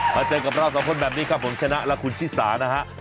เจอกับเราสองคนแบบนี้ครับผมชนะและคุณชิสานะฮะ